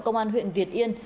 công an huyện việt yên